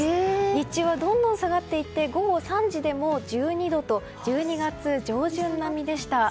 日中はどんどん下がっていって午後３時でも１２度と１２月上旬並みでした。